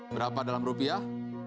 berapa dalam rupiah